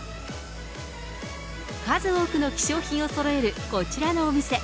数多くの希少品をそろえるこちらのお店。